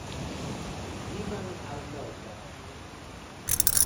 Ivan Almeida